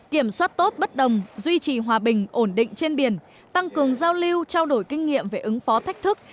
kiểm soát tốt bất đồng duy trì hòa bình ổn định trên biển tăng cường giao lưu trao đổi kinh nghiệm về ứng phó thách thức